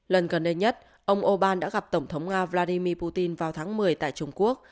lần gần đây nhất ông orbán đã gặp tổng thống nga vladimir putin vào tháng một mươi tại trung quốc